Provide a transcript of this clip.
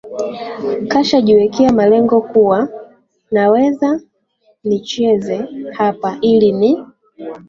kasha jiwekea malengo kuwa naweza ni nicheze hapa ili ni